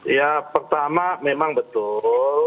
ya pertama memang betul